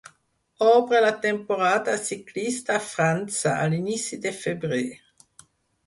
Obre la temporada ciclista a França, a l'inici de febrer.